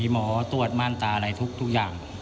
หมอตรวจมั่นตาอะไรทุกอย่าง